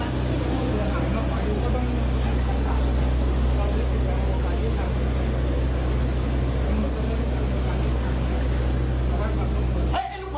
เฮ้ยไม่เอาแว่นแล้ว